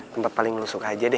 tempat paling lo suka aja deh